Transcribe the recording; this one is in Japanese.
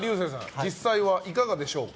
実際はいかがでしょうか？